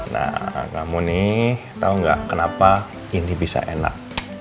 nah kamu nih tau gak kenapa ini bisa enak